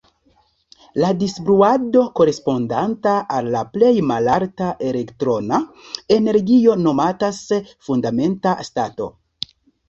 La distribuado korespondanta al la plej malalta elektrona energio nomatas "fundamenta stato".